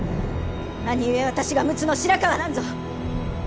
何故私が陸奥の白河なんぞ！